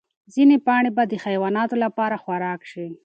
ځینې پاڼې به د حیواناتو لپاره خوراک شي.